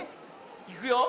いくよ。